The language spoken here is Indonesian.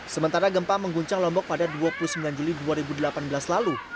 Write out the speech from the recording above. sementara gempa mengguncang lombok pada dua puluh sembilan juli dua ribu delapan belas lalu